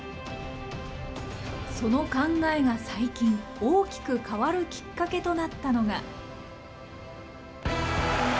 その考えが最近、大きく変わるきっかけとなったのが。